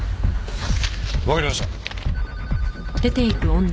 わかりました！